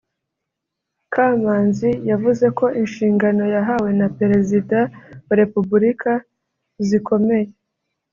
Kamanzi yavuze ko inshingano yahawe na Perezida wa Repuburika zikomeye